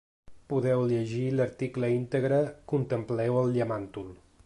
Podeu llegir l’article íntegre Contempleu el llamàntol.